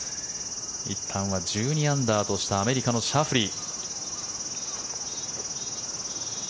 いったんは１２アンダーとしたアメリカのシャフリー。